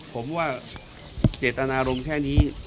ผมว่าเจตนารมณ์แค่นี้